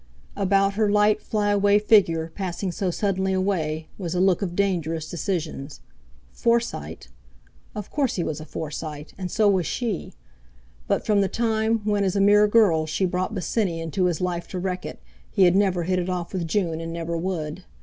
About her light, fly away figure, passing so suddenly away, was a look of dangerous decisions. Forsyte! Of course, he was a Forsyte! And so was she! But from the time when, as a mere girl, she brought Bosinney into his life to wreck it, he had never hit it off with June and never would!